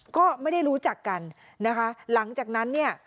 ก็ไม่ได้รู้จักกันนะคะหลังจากนั้นเนี่ย